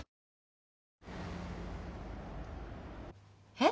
えっ？